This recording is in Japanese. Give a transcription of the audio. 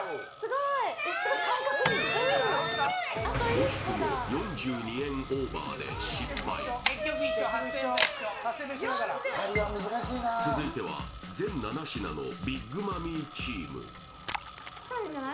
惜しくも４２円オーバーで失敗続いては全７品のビッグマミィチームきたんじゃない？